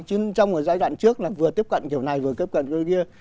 chứ trong giai đoạn trước là vừa tiếp cận kiểu này vừa tiếp cận kiểu kia